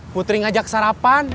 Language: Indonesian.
putri ngajak sarapan